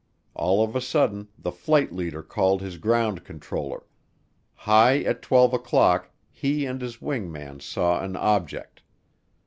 All of a sudden the flight leader called his ground controller high at twelve o'clock he and his wing man saw an object.